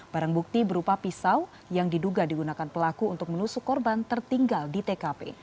barang bukti berupa pisau yang diduga digunakan pelaku untuk menusuk korban tertinggal di tkp